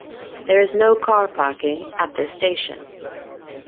There is no car parking at this station.